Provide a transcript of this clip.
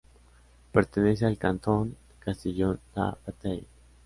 Pertenece al Cantón de Castillon-la-Bataille.